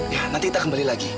ya nanti kita kembali lagi